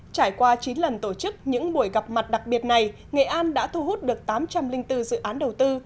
trải qua chín lần tổ chức những buổi gặp mặt đặc biệt này nghệ an đã thu hút được tám trăm linh bốn dự án đầu tư